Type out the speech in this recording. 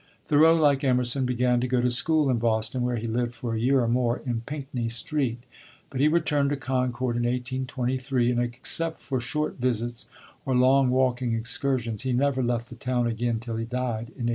Thoreau, like Emerson, began to go to school in Boston, where he lived for a year or more in Pinckney Street. But he returned to Concord in 1823, and, except for short visits or long walking excursions, he never left the town again till he died, in 1862.